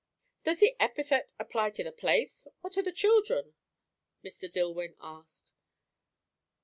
"Does the epithet apply to the place? or to the children?" Mr. Dillwyn asked.